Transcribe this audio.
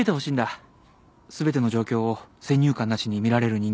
全ての状況を先入観なしに見られる人間にね。